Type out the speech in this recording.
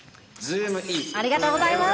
ありがとうございます。